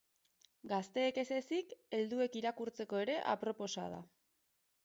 Gazteek ez ezin, helduek irakurtzeko ere aproposa da.